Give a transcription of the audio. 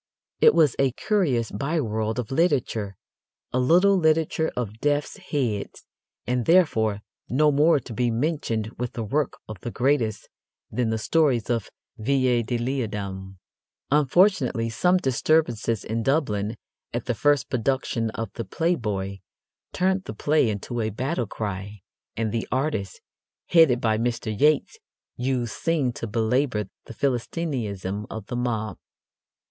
It was a curious by world of literature, a little literature of death's heads, and, therefore, no more to be mentioned with the work of the greatest than the stories of Villiers de l'Isle Adam. Unfortunately, some disturbances in Dublin at the first production of The Playboy turned the play into a battle cry, and the artists, headed by Mr. Yeats, used Synge to belabour the Philistinism of the mob.